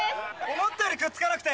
思ったよりくっつかなくて。